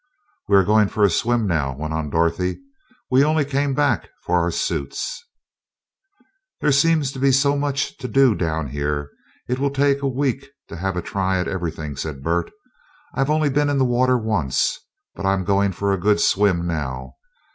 "We are going for a swim now," went on Dorothy; "we only came back for our suits." "There seems so much to do down here, it will take a week to have a try at everything," said Bert. "I've only been in the water once, but I'm going for a good swim now.